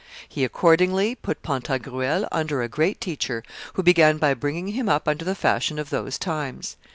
He, accordingly, put Pantagruel under a great teacher, who began by bringing him up after the fashion of those times.